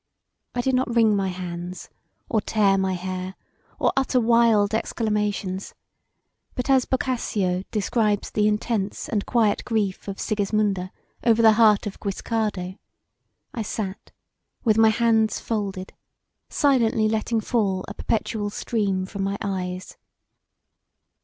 I did not wring my hands, or tear my hair, or utter wild exclamations, but as Boccacio describes the intense and quiet grief [of] Sigismunda over the heart of Guiscardo, I sat with my hands folded, silently letting fall a perpetual stream from my eyes.